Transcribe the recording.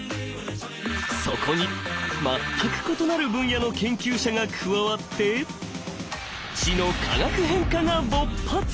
そこに全く異なる分野の研究者が加わって知の化学変化が勃発！